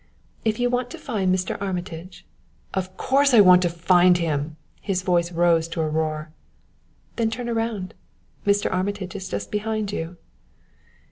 "If you want to find Mr. Armitage " "Of course I want to find him " His voice rose to a roar. "Then turn around; Mr. Armitage is just behind you!"